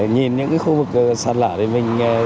nhìn những cái khu vực sạt lở thì mình